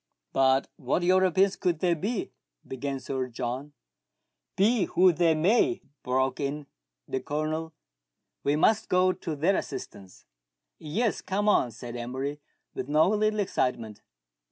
" But what Europeans could they be ?" began Sir John. Be who they may," broke in the Colonel, "we must go to their assistance." " Yes ; come on," said Emery, with no little excitement.